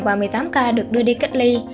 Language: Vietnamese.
và một mươi tám ca được đưa đi cách ly